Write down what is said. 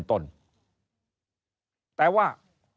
แต่ว่า